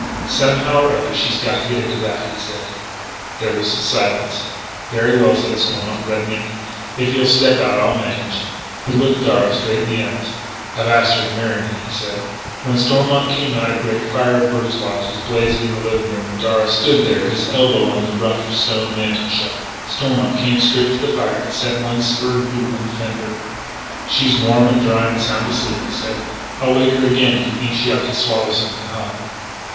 "Somehow or other she's got to get into that," he said. There was a silence. "Very well," said Stormont, reddening.... "If you'll step out I'll manage...." He looked Darragh straight in the eyes: "I have asked her to marry me," he said. When Stormont came out a great fire of birch logs was blazing in the living room, and Darragh stood there, his elbow on the rough stone mantel shelf. Stormont came straight to the fire and set one spurred boot on the fender. "She's warm and dry and sound asleep," he said. "I'll wake her again if you think she ought to swallow something hot."